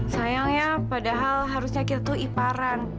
sayangnya padahal harusnya kita tuh iparan